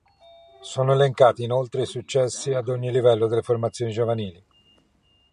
Sono elencati, inoltre, i successi ad ogni livello delle formazioni giovanili.